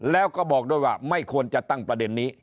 แล้วก็บอกด้วยว่าไม่ควรจะตั้งประเด็นนี้